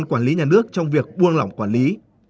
các cơ quan quản lý nhà nước trong việc buông lỏng quản lý